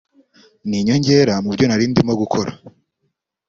Ni inyongera mu byo nari ndimo gukora